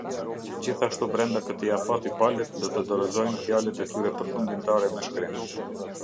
Gjithashtu brenda këtij afati palët do të dorëzojnë fjalët e tyre përfundimtare me shkrim.